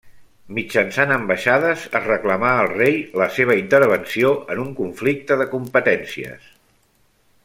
Mitjançant ambaixades es reclamà al rei la seva intervenció en un conflicte de competències.